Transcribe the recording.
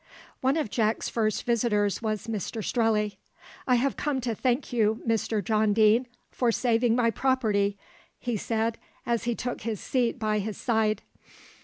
One of Jack's first visitors was Mr Strelley. "I have come to thank you, Mr John Deane, for saving my property," he said, as he took his seat by his side.